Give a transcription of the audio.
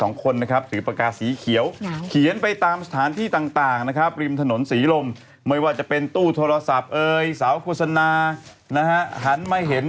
งบเอามาจากกระทรวงเออกระดาษโหม